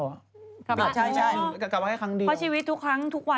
กลับมาแค่ครั้งเดียว